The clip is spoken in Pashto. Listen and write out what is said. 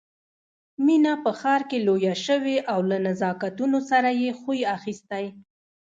مينه په ښار کې لويه شوې او له نزاکتونو سره يې خوی اخيستی